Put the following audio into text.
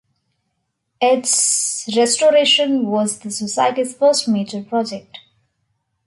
Its restoration was the Society's first major project.